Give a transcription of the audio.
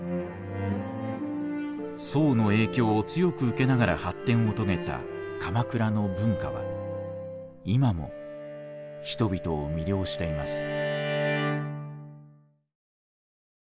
宋の影響を強く受けながら発展を遂げた鎌倉の文化は今も人々を魅了しています。